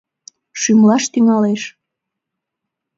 Шӱмлаш тӱҥалеш.